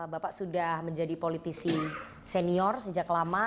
bapak sudah menjadi politisi senior sejak lama